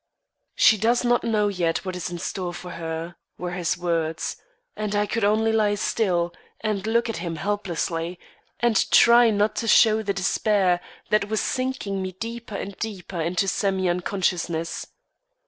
"She does not know yet what is in store for her," were his words; and I could only lie still, and look at him helplessly, and try not to show the despair that was sinking me deeper and deeper into semi unconsciousness.